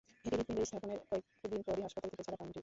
এটি হৃৎপিণ্ডে স্থাপনের কয়েক দিন পরই হাসপাতাল থেকে ছাড়া পান রিচ।